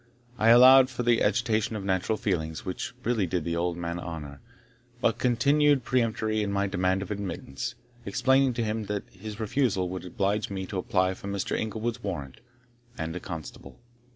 I allowed for the agitation of natural feelings, which really did the old man honour; but continued peremptory in my demand of admittance, explaining to him that his refusal would oblige me to apply for Mr. Inglewood's warrant, and a constable.